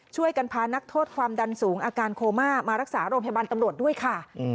ช่วยกันพานักโทษความดันสูงอาการโคม่ามารักษาโรงพยาบาลตำรวจด้วยค่ะ